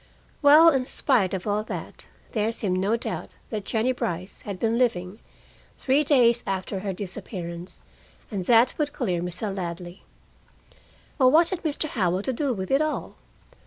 Well, in spite of all that, there seemed no doubt that Jennie Brice had been living three days after her disappearance, and that would clear Mr. Ladley. But what had Mr. Howell to do with it all?